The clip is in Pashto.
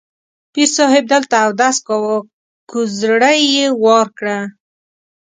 پیر صاحب دلته اودس کاوه، کوزړۍ یې وار کړه.